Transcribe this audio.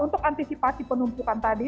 untuk antisipasi penumpukan tadi